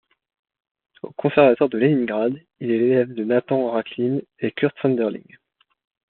Au conservatoire de Léningrad, il est l'élève de Natan Rakhline et Kurt Sanderling.